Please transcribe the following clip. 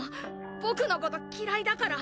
僕の事嫌いだから？